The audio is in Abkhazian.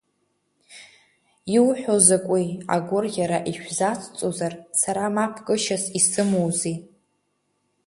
Иуҳәо закәи, агәырӷьара ишәзацҵозар, сара мапкышьас исымоузеи!